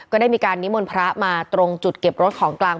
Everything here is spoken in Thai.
ก็ได้มีการนิมนต์พระมาตรงจุดเก็บรถของกลาง